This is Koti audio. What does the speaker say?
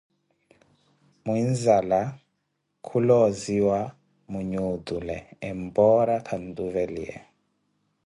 Muinzala khuloziwa mwinhe otule, empora khantuveliye